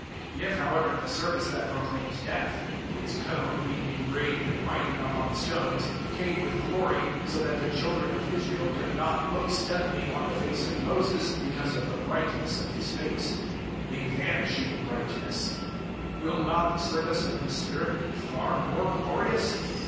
003:007 If, however, the service that proclaims death its code being engraved in writing upon stones came with glory, so that the children of Israel could not look steadily on the face of Moses because of the brightness of his face a vanishing brightness; 003:008 will not the service of the Spirit be far more glorious?